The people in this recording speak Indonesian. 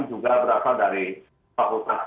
yang tidak hanya berasal dari fakultas kedokteran